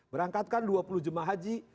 berangkatkan dua puluh jemaah haji